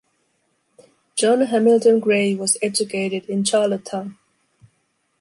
John Hamilton Gray was educated in Charlottetown.